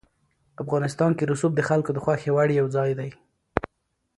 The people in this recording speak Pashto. افغانستان کې رسوب د خلکو د خوښې وړ یو ځای دی.